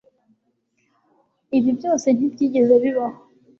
Ibi byose ntibyigeze bibaho